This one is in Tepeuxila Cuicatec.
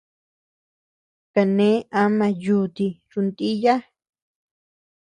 Kane ama yuti runtíya.